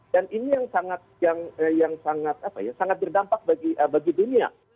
dan ini yang sangat yang sangat apa ya sangat berdampak bagi dunia